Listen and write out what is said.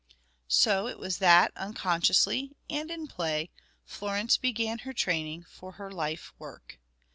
So it was that unconsciously, and in play, Florence began her training for her life work.